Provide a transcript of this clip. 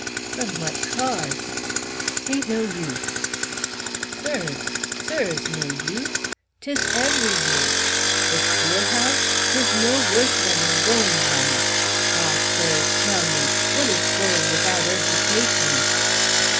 "From what cause?" "'Tain't no use." "Sir sirs, no use? 'Tis every use! The schoolhouse? 'tis mo' worth than the gole mine. Ah! sirs, tell me: what is gole without education?"